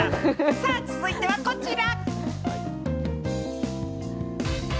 さぁ続いてはこちら。